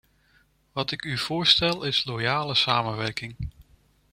Wat ik u voorstel is loyale samenwerking.